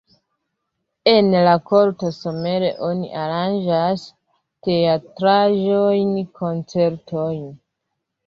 En la korto somere oni aranĝas teatraĵojn, koncertojn.